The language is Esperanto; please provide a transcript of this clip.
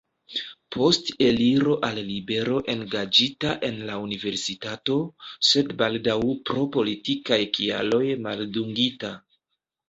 Post eliro al libero engaĝita en la Universitato, sed baldaŭ pro politikaj kialoj maldungita.